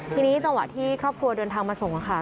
ทีนี้จังหวะที่ครอบครัวเดินทางมาส่งค่ะ